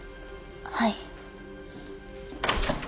はい。